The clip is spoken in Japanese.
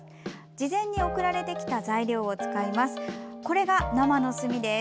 事前に送られてきた材料を使います。